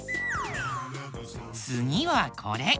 つぎはこれ。